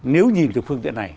nếu nhìn từ phương tiện này